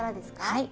はい。